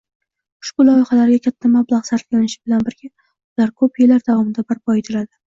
Ushbu loyihalarga katta mablag‘ sarflanishi bilan birga, ular ko‘p yillar davomida barpo etiladi